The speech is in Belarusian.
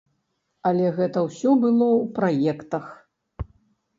Але гэта ўсё было ў праектах.